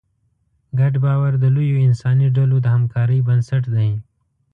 ګډ باور د لویو انساني ډلو د همکارۍ بنسټ دی.